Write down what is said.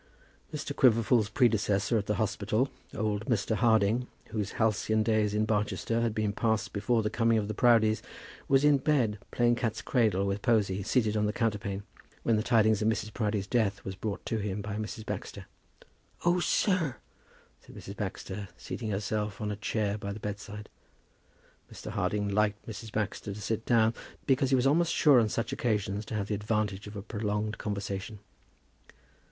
Mr. Quiverful's predecessor at the Hospital, old Mr. Harding, whose halcyon days in Barchester had been passed before the coming of the Proudies, was in bed playing cat's cradle with Posy seated on the counterpane, when the tidings of Mrs. Proudie's death were brought to him by Mrs. Baxter. "Oh, sir," said Mrs. Baxter, seating herself on a chair by the bed side. Mr. Harding liked Mrs. Baxter to sit down, because he was almost sure on such occasions to have the advantage of a prolonged conversation.